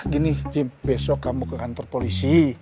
gini besok kamu ke kantor polisi